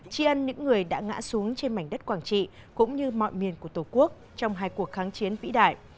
tri ân những người đã ngã xuống trên mảnh đất quảng trị cũng như mọi miền của tổ quốc trong hai cuộc kháng chiến vĩ đại